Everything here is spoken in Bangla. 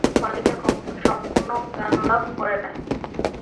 বালিকা তখনো সম্পূর্ণ জ্ঞানলাভ করে নাই।